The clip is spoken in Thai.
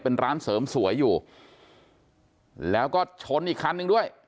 เป็นร้านเสริมสวยอยู่แล้วก็ชนอีกคันหนึ่งด้วย